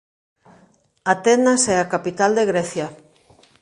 Atenas é a capital de Grecia